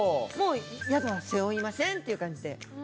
もうヤドは背負いませんっていう感じで。